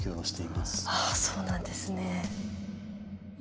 ああそうなんですね。